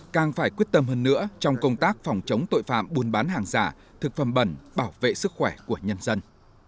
càng phải quyết tâm hơn nữa trong công tác phòng chống tội phạm buôn bán hàng giả thực phẩm bẩn bảo vệ sức khỏe của nhân dân